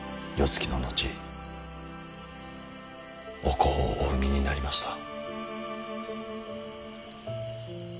つきの後お子をお産みになりました。